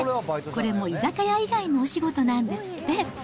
これも居酒屋以外のお仕事なんですって。